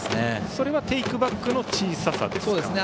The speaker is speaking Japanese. それをテイクバックの小ささですか。